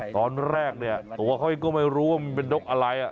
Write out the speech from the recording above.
ตอนแรกเนี่ยตัวเขาเองก็ไม่รู้ว่ามันเป็นนกอะไร